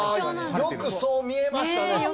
よくそう見えましたね。